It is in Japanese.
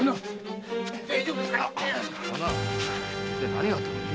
何があったんで？